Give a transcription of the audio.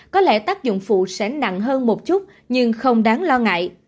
có lẽ tác dụng phụ sẽ nặng hơn một chút nhưng không đáng lo ngại